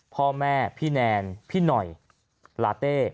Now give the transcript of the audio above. พ่อแม่พี่แนนพี่หน่อยลาเต้